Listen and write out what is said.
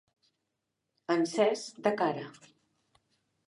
Encès de cara.